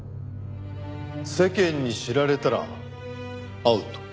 世間に知られたらアウト。